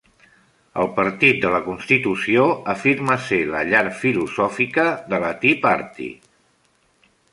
El partit de la Constitució afirma ser la "llar filosòfica" de la Tea Party.